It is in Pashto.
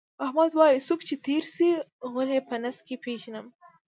احمد وایي: څوک چې تېر شي، غول یې په نس کې پېژنم.